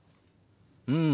うん。